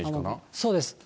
そうです。